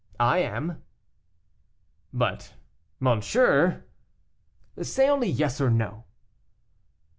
I am." "But monsieur " "Say only yes, or no."